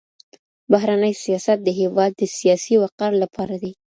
بهرنی سیاست د هیواد د سیاسي وقار لپاره دی.